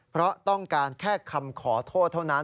เพราะต้องการแค่คำขอโทษเท่านั้น